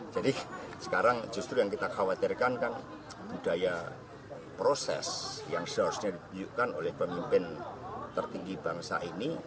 jadi sekarang justru yang kita khawatirkan kan budaya proses yang seharusnya dibiarkan oleh pemimpin tertinggi bangsa ini